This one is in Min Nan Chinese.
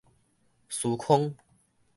斯康